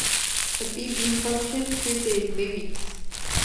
The beam imposing crippling limits.